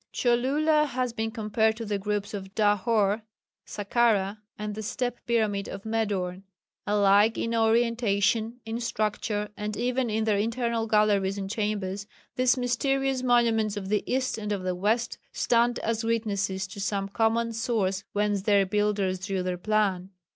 Cholula has been compared to the groups of Dachour, Sakkara and the step pyramid of Médourn. Alike in orientation, in structure, and even in their internal galleries and chambers, these mysterious monuments of the east and of the west stand as witnesses to some common source whence their builders drew their plan.